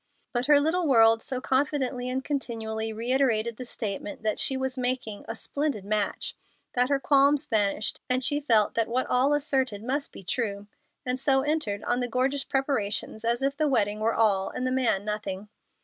But her little world so confidently and continually reiterated the statement that she was making a "splendid match" that her qualms vanished, and she felt that what all asserted must be true, and so entered on the gorgeous preparations as if the wedding were all and the man nothing.